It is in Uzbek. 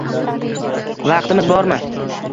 Vaqtimiz bormi?